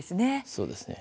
そうですね。